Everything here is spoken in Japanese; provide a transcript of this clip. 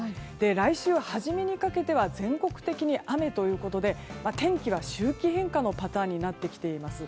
来週初めにかけては全国的に雨ということで天気は周期変化のパターンになってきています。